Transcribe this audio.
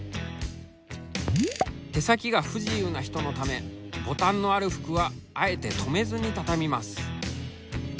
手先が不自由な人のためボタンのある服はあえてとめずに畳みます。